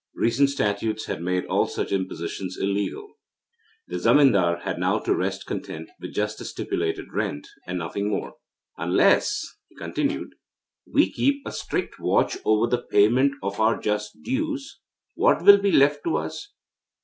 Recent statutes had made all such impositions illegal. The zemindar had now to rest content with just the stipulated rent, and nothing more. 'Unless,' he continued, 'we keep a strict watch over the payment of our just dues, what will be left to us?